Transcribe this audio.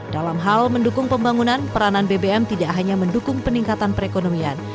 dalam hal mendukung pembangunan peranan bbm tidak hanya mendukung peningkatan perekonomian